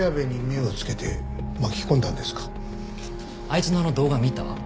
あいつのあの動画見た？